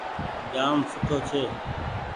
جآم سوٺو ڇي۔